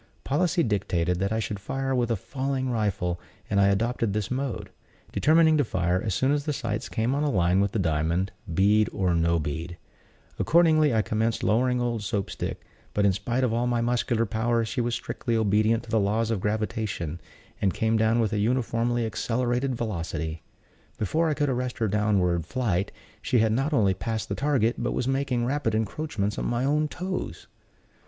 Policy dictated that I should fire with a falling rifle, and I adopted this mode; determining to fire as soon as the sights came on a line with the diamond, bead or no bead. Accordingly, I commenced lowering old Soap stick; but, in spite of all my muscular powers, she was strictly obedient to the laws of gravitation, and came down with a uniformly accelerated velocity. Before I could arrest her downward flight, she had not only passed the target, but was making rapid encroachments on my own toes.